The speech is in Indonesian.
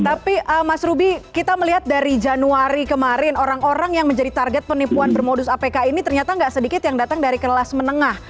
tapi mas ruby kita melihat dari januari kemarin orang orang yang menjadi target penipuan bermodus apk ini ternyata nggak sedikit yang datang dari kelas menengah